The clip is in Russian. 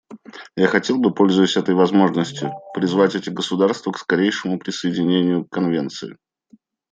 Я хотел бы, пользуясь этой возможностью, призвать эти государства к скорейшему присоединению к Конвенции.